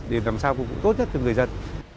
để làm sao cũng tốt nhất cho người dân